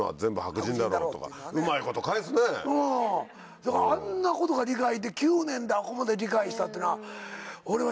それからあんなことが理解できて９年であそこまで理解したっていうのは。